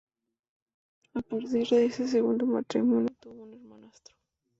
A partir de ese segundo matrimonio tuvo un hermanastro.